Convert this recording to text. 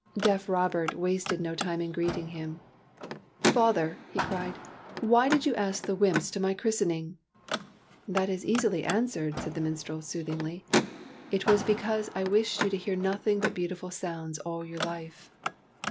Deaf Robert wasted no time in greeting him. " Father," he cried, " why did you ask the wymps to my christening ?"." That is easily answered," said the minstrel, soothingly. " It was because I wished you to hear nothing but beautiful sounds all your life."